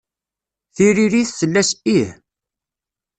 Tiririt tella s ih.